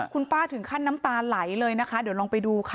คุณป้าถึงขั้นน้ำตาไหลเลยนะคะเดี๋ยวลองไปดูค่ะ